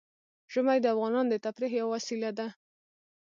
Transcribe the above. ژمی د افغانانو د تفریح یوه وسیله ده.